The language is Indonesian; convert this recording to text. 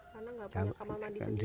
karena nggak punya kamar mandi sendiri